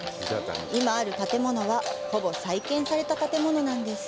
今ある建物は、ほぼ再建された建物なんです。